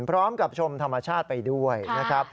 พร้อมกับชมธรรมชาติไปด้วยนะครับ